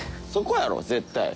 そこやろ絶対。